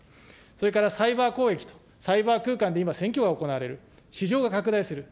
それからサイバー攻撃と、サイバー空間で今、選挙が行われる、市場が拡大する。